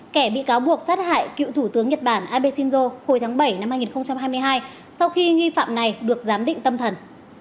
kẻ bị cáo buộc sát hại cựu thủ tướng nhật bản abe shinzo hồi tháng bảy năm hai nghìn hai mươi hai sau khi nghi phạm này được giám định tâm thần